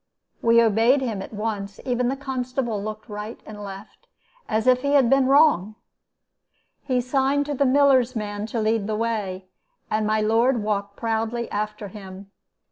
"We obeyed him at once; and even the constable looked right and left, as if he had been wrong. He signed to the miller's man to lead the way, and my lord walked proudly after him.